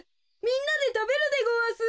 みんなでたべるでごわす。